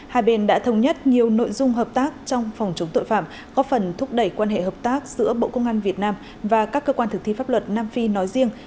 hai bên đã thống nhất nhiều nội dung hợp tác trong phòng chống tội phạm góp phần thúc đẩy quan hệ hợp tác giữa bộ công an việt nam và các cơ quan thực thi pháp luật nam phi nói riêng